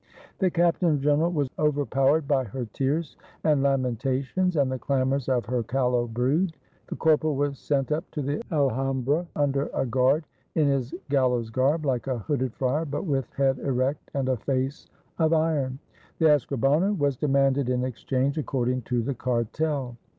The captain general was overpowered by her tears and lamentations, and the clamors of her callow brood. The corporal was sent up to the Alhambra, under a guard, in his gallows garb, like a hooded friar, but with head erect and a face of iron. The escribano was de manded in exchange, according to the cartel.